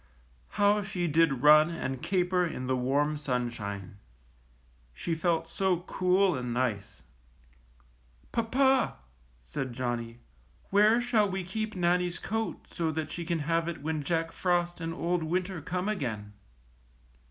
How she did run and caper in the warm sun shine! She felt so cool and nice! ^^Papa," said Johnnie, ^Vhere shall we keep Nannie's coat so that she can have it when Jack Frost and Old Winter come again?"